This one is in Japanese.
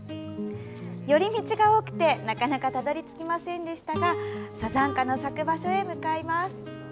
寄り道が多くて、なかなかたどり着きませんでしたがサザンカの咲く場所へ向かいます。